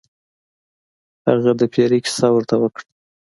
هغه د پیري کیسه ورته وکړه.